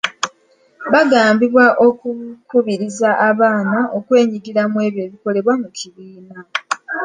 Baagambibwa okukubiriza abaana okwenyigira mu ebyo ebikolebwa mu kibiina.